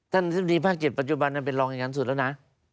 ท่านทริปรีภาค๗ปัจจุบันมันเป็นลองอย่างนั้นสุดแล้วนะ